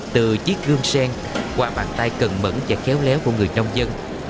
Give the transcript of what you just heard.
từ chiếc gương sen quà bàn tay cần mẫn và khéo léo của người nông dân